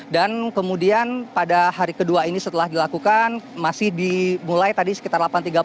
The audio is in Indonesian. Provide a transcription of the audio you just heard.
dan kemudian pada hari kedua ini setelah dilakukan masih dimulai tadi sekitar delapan tiga puluh